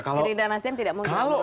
gerindra nasdem tidak mungkin menurut anda